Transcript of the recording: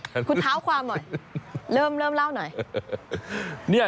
คุณเท้าความหน่อยเริ่มเริ่มเล่าหน่อย